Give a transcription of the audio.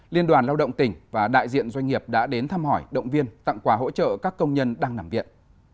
liên đoàn lao động tỉnh và đại diện doanh nghiệp đã đến thăm hỏi động viên tặng quà hỗ trợ các công nhân đang nằm viện